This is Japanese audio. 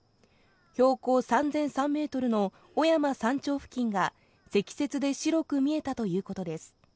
標高３００３ｍの雄山山頂付近が積雪で白く見えたということです。